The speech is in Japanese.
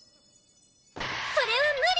それは無理！